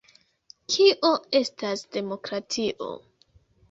Kio estas demokratio?